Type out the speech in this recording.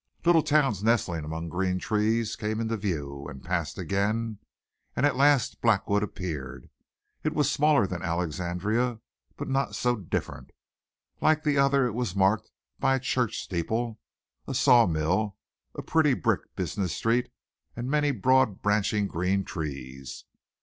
Little towns nestling among green trees came into view and passed again, and at last Blackwood appeared. It was smaller than Alexandria, but not so different. Like the other it was marked by a church steeple, a saw mill, a pretty brick business street and many broad branching green trees.